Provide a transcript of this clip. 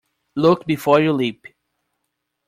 Look before you leap.